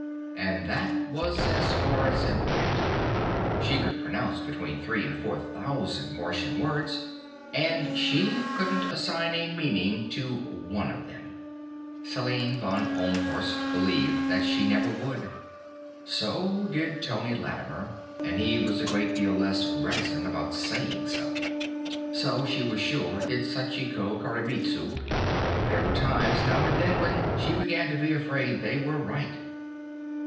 And that was as far as it went. She could pronounce between three and four thousand Martian words, and she couldn't assign a meaning to one of them. Selim von Ohlmhorst believed that she never would. So did Tony Lattimer, and he was a great deal less reticent about saying so. So, she was sure, did Sachiko Koremitsu. There were times, now and then, when she began to be afraid that they were right.